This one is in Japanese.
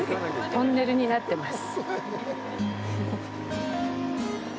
トンネルになってます。